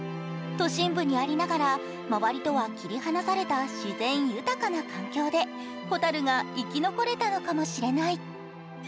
都心部にありながら周りとは切り離された自然豊かな環境で蛍が生き残れたのかもしれない。